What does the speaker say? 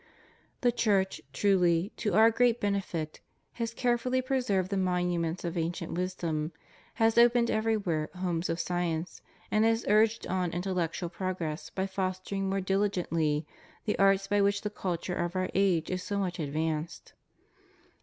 The Church, truly, to our great benefit, has carefully preserved the monuments of ancient wisdom; has opened everywhere homes of science, and has urged on intellectual progress by foster ing most diligently the arts by which the culture of our age is so much advanced.